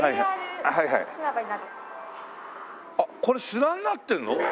あっこれ砂になってるの？